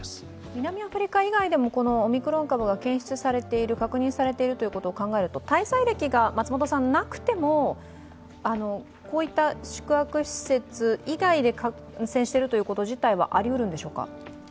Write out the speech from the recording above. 南アフリカ以外でもオミクロン株が確認されているということを考えると滞在歴がなくても、こういった宿泊施設以外で感染していることはありうるんでしょうか？